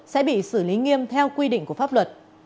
sẽ bị xử lý nghiêm theo quy định của pháp luật